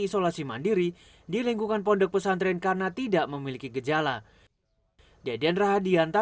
isolasi mandiri di lingkungan pondok pesantren karena tidak memiliki gejala deden rahadianta